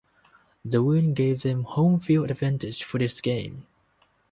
The win gave them homefield advantage for this game.